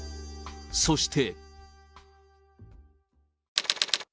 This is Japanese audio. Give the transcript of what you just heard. そして。